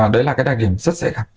đấy là cái đặc điểm rất dễ gặp